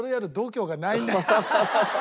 ハハハハ！